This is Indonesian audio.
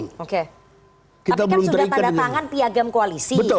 tapi kan sudah tanda tangan piagam koalisi